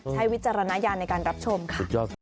วิจารณญาณในการรับชมค่ะ